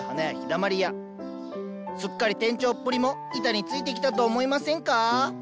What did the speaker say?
すっかり店長っぷりも板についてきたと思いませんか？